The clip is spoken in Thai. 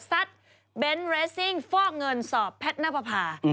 สัตว์เบนท์เรสซิ่งฟอกเงินสอบแพทย์น้ำประผา